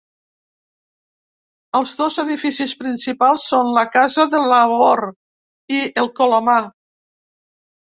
Els dos edificis principals són la Casa de Labor i el Colomar.